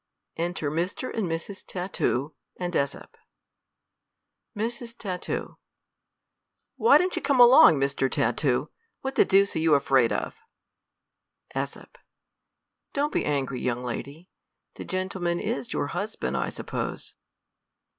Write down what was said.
Enter Mr, and Mrs, Tatoo, and JEsOT, Mrs. Tat, ■\;\7HY don't you come along, Mr. V V Tatoo ? what the deuce are you afraid of? ,^s. Don't be angry, young lady ; the gentlemanis your husband, I suppose.